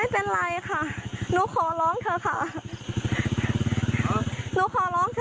อุ้ยทีนี้มันน่ากลัวเหลือเกินค่ะ